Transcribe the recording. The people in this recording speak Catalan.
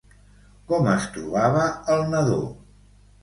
Com es trobava el nadó?